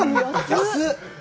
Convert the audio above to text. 安っ！